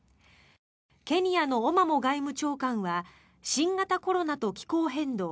ケニアのオマモ外務長官は新型コロナと気候変動